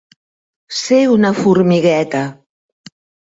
Ser una formigueta.